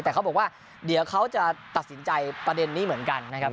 แต่เขาบอกว่าเดี๋ยวเขาจะตัดสินใจประเด็นนี้เหมือนกันนะครับ